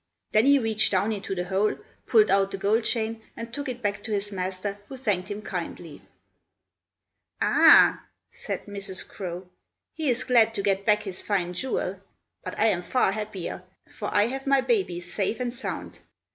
Then he reached down into the hole, pulled out the gold chain, and took it back to his master, who thanked him kindly. "Ah!" said Mrs. Crow. "He is glad to get back his fine jewel; but I am far happier, for I have my babies safe and sound.